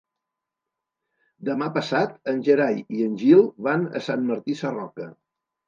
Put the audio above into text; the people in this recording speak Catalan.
Demà passat en Gerai i en Gil van a Sant Martí Sarroca.